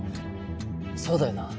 そうだよな？